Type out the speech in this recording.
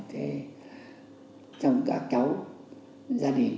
trong các cháu gia đình